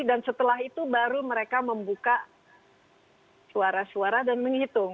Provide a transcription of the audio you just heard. dan setelah itu baru mereka membuka suara suara dan menghitung